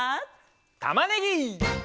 「たまねぎ！」